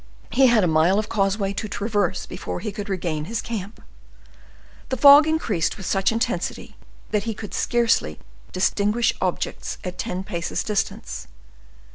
He had a mile of causeway to traverse before he could regain his camp. The fog increased with such intensity that he could scarcely distinguish objects at ten paces' distance.